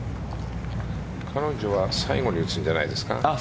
彼女は最後に打つんじゃないですか。